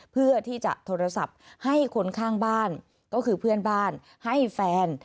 เพื่อที่จะโทรศัพท์ให้คนข้างบ้านก็คือเพื่อนบ้านให้แฟน